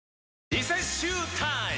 リセッシュータイム！